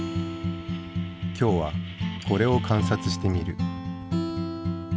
今日はこれを観察してみる。